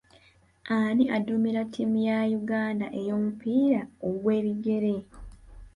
Ani aduumira ttiimu ya Uganda ey'omupiira ogw'ebigere?